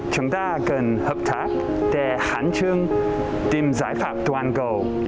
chúng ta cần hợp tác để hẳn chương tìm giải pháp toàn cầu